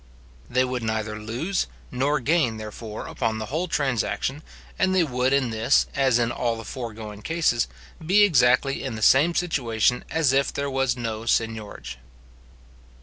They would neither lose nor gain, therefore, upon the whole transaction, and they would in this, as in all the foregoing cases, be exactly in the same situation as if there was no seignorage.